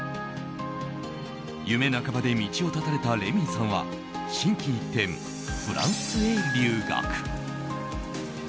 夢半ばで道を断たれたレミイさんは心機一転、フランスへ留学。